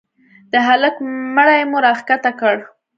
د هلك مړى مو راکښته کړ.